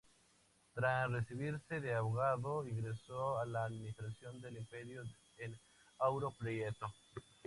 Tras recibirse de abogado, ingresó a la administración del Imperio en Ouro Preto.